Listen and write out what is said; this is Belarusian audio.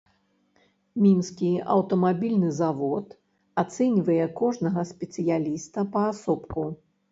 Мінскі аўтамабільны завод ацэньвае кожнага спецыяліста паасобку.